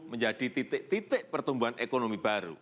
menjadi titik titik pertumbuhan ekonomi baru